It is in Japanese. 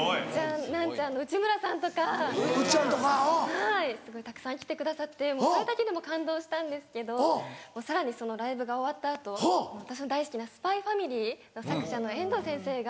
はいたくさん来てくださってそれだけでも感動したんですけどさらにそのライブが終わった後私の大好きな『ＳＰＹ×ＦＡＭＩＬＹ』の作者の遠藤先生が。